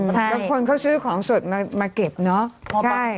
บางคนเขาซื้อของสดมาเก็บเนาะ